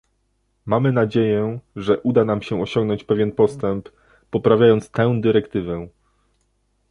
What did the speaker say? Mamy nadzieję, że uda nam się osiągnąć pewien postęp, poprawiając tę dyrektywę